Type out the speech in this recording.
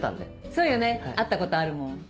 そうよね会ったことあるもん。